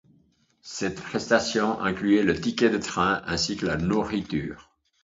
Cette prestation incluait le ticket de train ainsi que la nourriture.